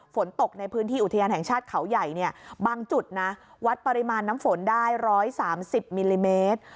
ฝนตกในพื้นที่อุทยานแห่งชาติเขาใหญ่เนี่ยบางจุดนะวัดปริมาณน้ำฝนได้๑๓๐มิลลิเมตร